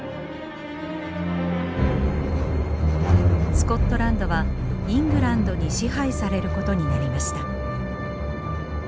スコットランドはイングランドに支配されることになりました。